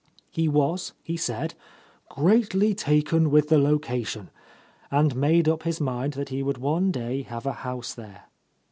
He was, he said, "greatly taken with the location," and made up his mind that he would one day have a house there.